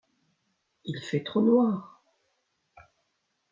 Il fait trop noir !...